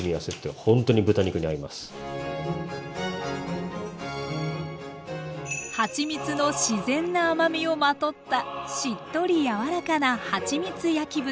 はちみつの自然な甘みをまとったしっとり柔らかなはちみつ焼き豚。